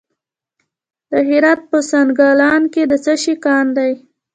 د هرات په سنګلان کې د څه شي کان دی؟